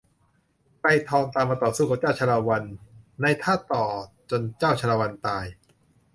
ไกรทองตามมาต่อสู้กับเจ้าชาละวันในถ้าต่อจนเจ้าชาละวันตาย